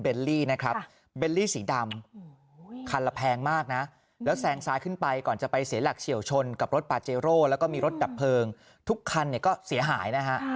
เบลลี่สีดำคันละแพงมากนะแล้วแซงซ้ายขึ้นไปก่อนจะไปเสียหลักเฉียวชนกับรถปาเจโร่แล้วก็มีรถดับเพลิงทุกคันเนี่ยก็เสียหายนะฮะ